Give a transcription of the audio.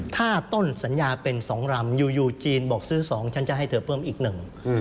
ถ้าต้นสัญญาเป็นสองรำอยู่อยู่จีนบอกซื้อสองฉันจะให้เธอเพิ่มอีกหนึ่ง